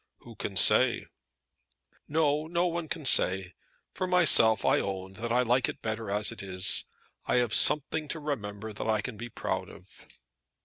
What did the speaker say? "Who can say?" "No; no one can say. For myself, I own that I like it better as it is. I have something to remember that I can be proud of."